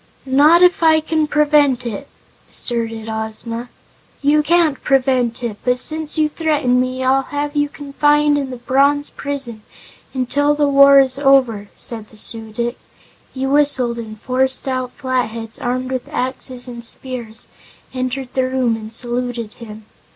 "Not if I can prevent it!" asserted Ozma. "You can't prevent it. But since you threaten me, I'll have you confined in the bronze prison until the war is over," said the Su dic. He whistled and four stout Flatheads, armed with axes and spears, entered the room and saluted him.